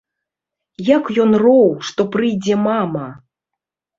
Як ён роў, што прыйдзе мама!